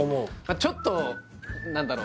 ちょっと何だろう